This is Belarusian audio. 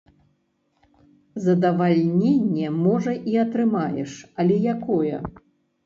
Задавальненне можа і атрымаеш, але якое?